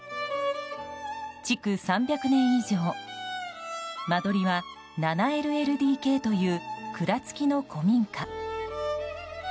築３００年以上間取りは７ＬＬＤＫという蔵付きの古民家。